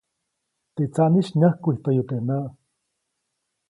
Teʼ tsaʼnis nyäjkwijtäyu teʼ näʼ.